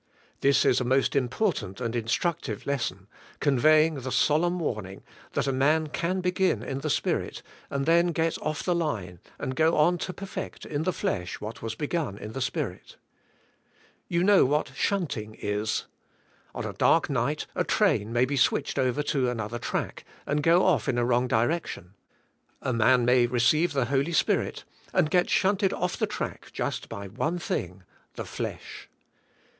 This is a most important and instructive lesson, conveying the solemn warn ing", that a man can beg^in in the Spirit and then g et off the line and go on to perfect in the flesh what was beg un in the Spirit. You know what shunt ing is. On a dark night a train may be switched over to another track, and go off in a wrong direc tion. A man may receive the Holy Spirit and get shunted off the track just by one thing, the flesh.